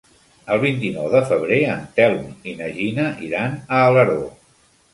El vint-i-nou de febrer en Telm i na Gina iran a Alaró.